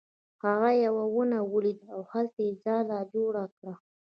هغه یوه ونه ولیده او هلته یې ځاله جوړه کړه.